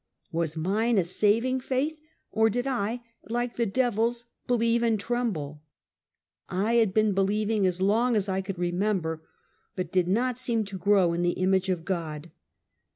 Was mine a saving faith, or did I, like the devils, believe and tremble? I had been be lieving as long as I could remember, but did not seem to grow in the image of God.